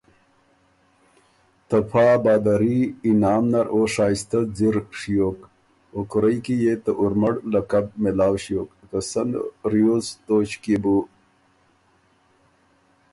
ته پا بهادري انعام نر او شائسته ځِر ڒیوک۔ او کُورئ کی يې ته اورمړ لقب مېلاؤ ݭیوک، که سن ریوز توݭکيې بو